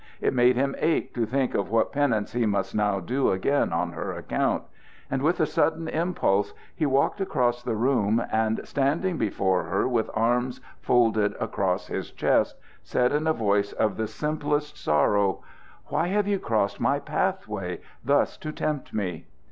It made him ache to think of what penance he must now do again on her account; and with a sudden impulse he walked across the room, and, standing before her with arms folded across his breast, said in a voice of the simplest sorrow: "Why have you crossed my path way, thus to tempt me?"